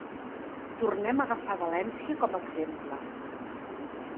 Tornem a agafar València com a exemple.